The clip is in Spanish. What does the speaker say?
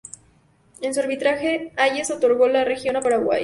En su arbitraje, Hayes otorgó la región a Paraguay.